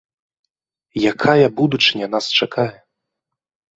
Якая будучыня нас чакае?